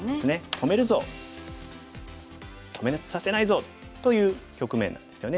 「止めさせないぞ」という局面なんですよね。